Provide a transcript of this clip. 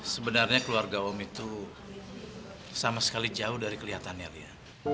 sebenarnya keluarga om itu sama sekali jauh dari kelihatannya lia